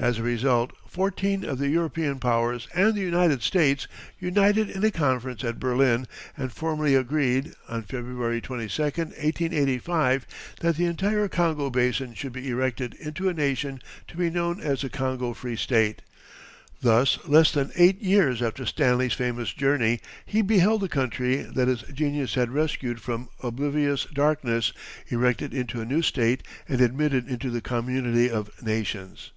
As a result fourteen of the European powers and the United States united in a conference at Berlin and formally agreed, on February 26, 1885, that the entire Congo Basin should be erected into a nation to be known as the Congo Free State. Thus less than eight years after Stanley's famous journey he beheld the country that his genius had rescued from oblivious darkness erected into a new state and admitted into the community of nations.